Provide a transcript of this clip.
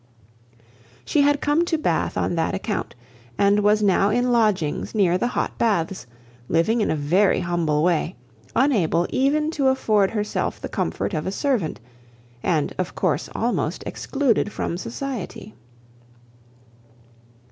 She had come to Bath on that account, and was now in lodgings near the hot baths, living in a very humble way, unable even to afford herself the comfort of a servant, and of course almost excluded from society.